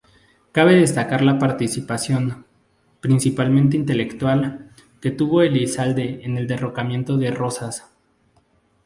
Cabe destacar la participación, principalmente intelectual, que tuvo Elizalde en el derrocamiento de Rosas.